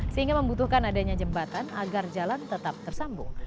sehingga membutuhkan adanya jembatan agar jalan tetap tersambung